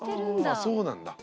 ああそうなんだ。